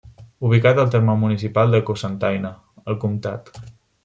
Ubicat al terme municipal de Cocentaina, al Comtat.